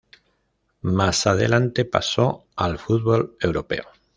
Más adelante pasó al fútbol europeo.